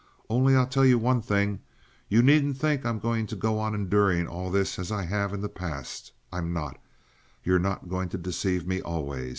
Only I'll tell you one thing. You needn't think I'm going to go on enduring all this as I have in the past. I'm not. You're not going to deceive me always.